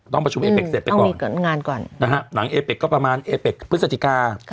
ต้องประชุมเอเป็กเสร็จไปก่อนนะฮะหลังเอเป็กก็ประมาณเอเป็กพฤศจิกา